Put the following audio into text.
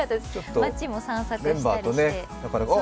街も散策したし。